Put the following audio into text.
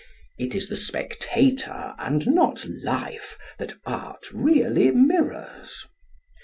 It is the spectator, and not life, that art really mirrors.